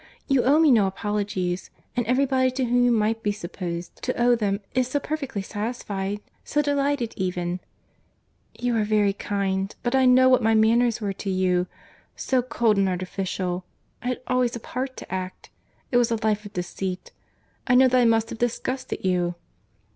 "You owe me no apologies; and every body to whom you might be supposed to owe them, is so perfectly satisfied, so delighted even—" "You are very kind, but I know what my manners were to you.—So cold and artificial!—I had always a part to act.—It was a life of deceit!—I know that I must have disgusted you."